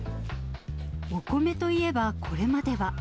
お米といえばこれまでは。